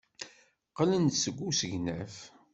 Qqlen-d seg usegnaf.